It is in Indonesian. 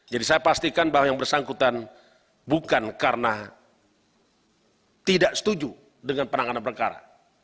jadi saya pastikan bahwa yang bersangkutan bukan karena tidak setuju dengan penanganan perkara